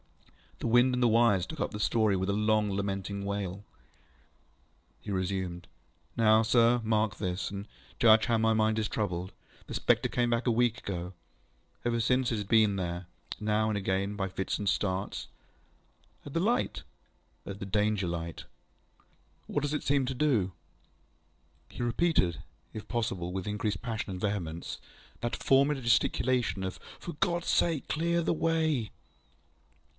The wind and the wires took up the story with a long lamenting wail. He resumed. ŌĆ£Now, sir, mark this, and judge how my mind is troubled. The spectre came back a week ago. Ever since, it has been there, now and again, by fits and starts. ŌĆØ ŌĆ£At the light? ŌĆØ ŌĆ£At the Danger light. ŌĆØ ŌĆ£What does it seem to do? ŌĆØ He repeated, if possible with increased passion and vehemence, that former gesticulation of, ŌĆ£For GodŌĆÖs sake, clear the way!